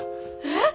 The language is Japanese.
えっ！？